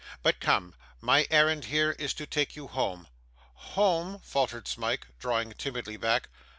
But come; my errand here is to take you home.' 'Home!' faltered Smike, drawing timidly back.